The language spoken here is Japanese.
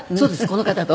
この方と。